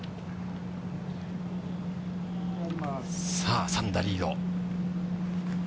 さあ、３打リード。